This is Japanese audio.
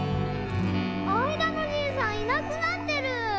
あいだのじいさんいなくなってる。